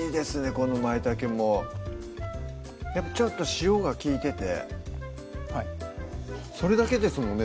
このまいたけもやっぱちょっと塩が利いててそれだけですもんね